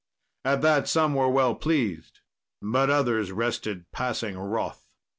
At that were some well pleased, but others rested passing wroth.